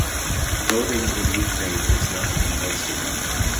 Voting in Ukraine is not compulsory.